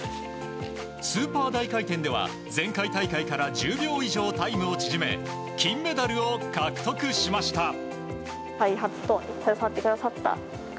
スーパー大回転では前回大会から１０秒以上タイムを縮め金メダルを獲得しました。